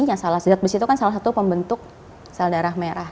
yang salah zat besi itu kan salah satu pembentuk sel darah merah